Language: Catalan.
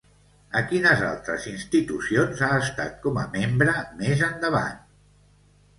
A quines altres institucions ha estat com a membre més endavant?